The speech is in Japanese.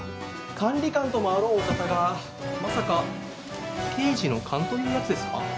管理官ともあろうお方がまさか刑事の勘というやつですか？